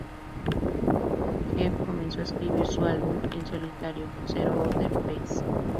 Jeff comenzó a escribir su álbum en solitario "Zero Order Phase".